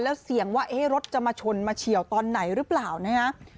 แล้วเสี่ยงว่ารถจะมาชนมาเฉียวตอนไหนหรือเปล่านะฮะ